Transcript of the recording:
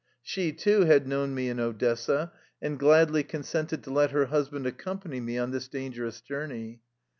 She, too, had known me in Odessa, and gladly consented to let her hus band accompany me on this dangerous jour ney.